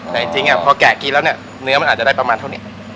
แต่จริงพอแกะกินแล้วเนี่ยเนื้อมันอาจจะได้ประมาณเท่านี้